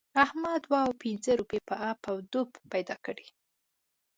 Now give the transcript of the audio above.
احمد دوه او پينځه روپۍ په اپ و دوپ پیدا کړې.